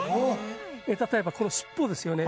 例えばこの尻尾ですよね